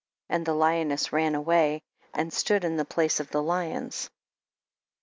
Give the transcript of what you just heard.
6. And the lioness ran away, and stood in the place of the lions. 7.